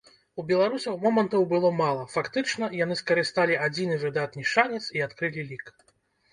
У беларусаў момантаў было мала, фактычна, яны скарысталі адзіны выдатны шанец і адкрылі лік.